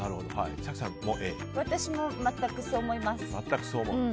私もそう思います。